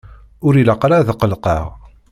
Ur ilaq ara ad qellqeɣ.